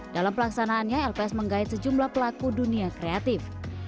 dalam pelaksanaannya lps menggait sejumlah pelaku dunia kreatif